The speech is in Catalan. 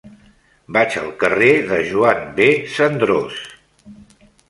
Vaig al carrer de Joan B. Cendrós.